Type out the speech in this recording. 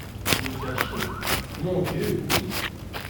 Vous me cherchiez ? Mon Dieu, oui.